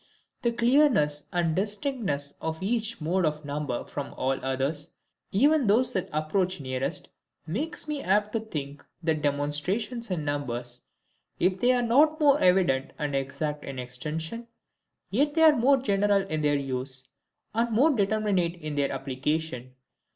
The clearness and distinctness of each mode of number from all others, even those that approach nearest, makes me apt to think that demonstrations in numbers, if they are not more evident and exact than in extension, yet they are more general in their use, and more determinate in their application.